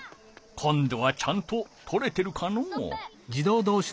今度はちゃんととれてるかのう？